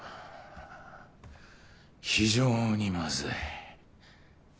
非常にまずい。